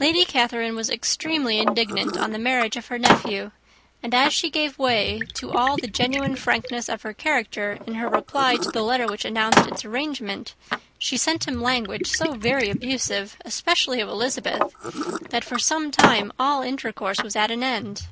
Lady Catherine was extremely indignant on the marriage of her nephew; and as she gave way to all the genuine frankness of her character, in her reply to the letter which announced its arrangement, she sent him language so very abusive, especially of Elizabeth, that for some time all intercourse was at an end.